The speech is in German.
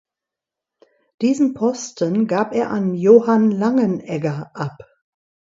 Diesen Posten gab er an Johann Langenegger ab.